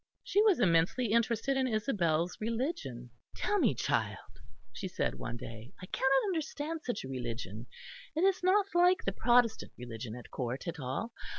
She was immensely interested in Isabel's religion. "Tell me, child," she said one day, "I cannot understand such a religion. It is not like the Protestant religion at Court at all.